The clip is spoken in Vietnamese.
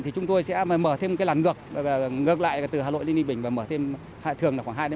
thì chúng tôi sẽ mở thêm cái làn ngược ngược lại từ hà nội lên linh bình và mở thêm thường là khoảng hai ba làn nữa